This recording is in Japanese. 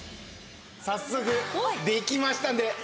早速できましたんでいくわよ